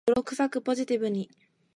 泥臭く、ポジティブに